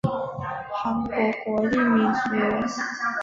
韩国国立民俗博物馆最初建于首尔南山。